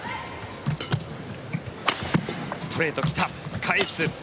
ストレート来た、返す。